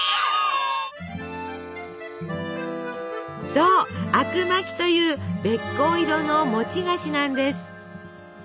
そう「あくまき」というべっこう色の餅菓子なんです。